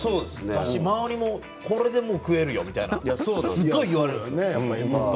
周りもこれでもう食えるよとすごい言われるんです。